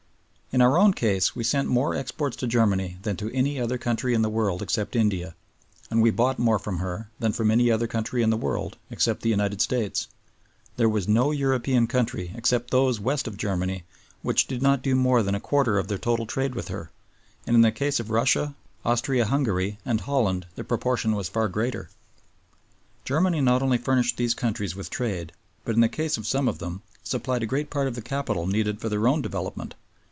In our own case we sent more exports to Germany than to any other country in the world except India, and we bought more from her than from any other country in the world except the United States. There was no European country except those west of Germany which did not do more than a quarter of their total trade with her; and in the case of Russia, Austria Hungary, and Holland the proportion was far greater. Germany not only furnished these countries with trade, but, in the case of some of them, supplied a great part of the capital needed for their own development.